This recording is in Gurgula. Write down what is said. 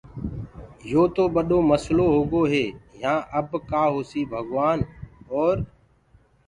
يو تو ٻڏو مسلو هوگو هي يهآن اب ڪآ هوسيٚ ڀگوآن اور